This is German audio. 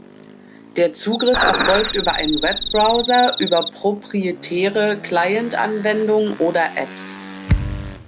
Der Zugriff erfolgt über einen Webbrowser, über proprietäre Client-Anwendungen oder Apps.